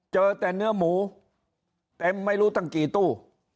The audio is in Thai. เจอแต่เนื้อหมูเต็มไม่รู้ตั้งกี่ตู้